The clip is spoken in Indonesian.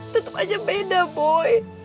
tetep aja beda boy